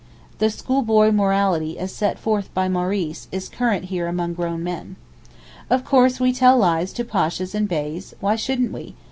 The schoolboy morality as set forth by Maurice is current here among grown men. Of course we tell lies to Pashas and Beys, why shouldn't we?